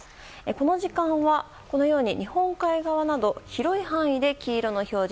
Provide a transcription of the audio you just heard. この時間はこのように日本海側など広い範囲で黄色の表示。